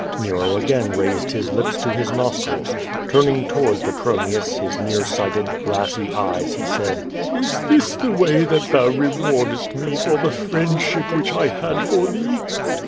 Nerd again raised his lips to his nostrils. Turning toward Petronius his near sighted, glassy eyes, he said: "Is this iho way that thou rewardest me for the friendship which 1 had for thee?"